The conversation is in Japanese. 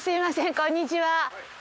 こんにちは。